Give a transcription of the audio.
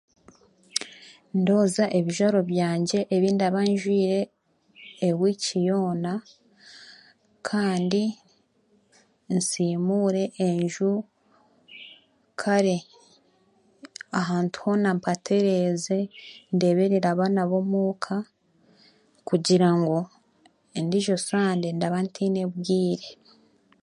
Ndooza ebijwaaro byangye ebi ndaba njwiire e week yoona, kandi nsimuure enju, kare ahantu hoona mpatereeze, ndeberere abaana b'omuuka kugira ngu endijo sande ndaba ntiine bwiire.